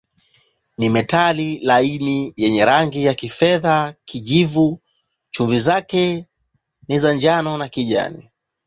Ni metali laini yenye rangi ya kifedha-kijivu, chumvi zake ni njano-kijani.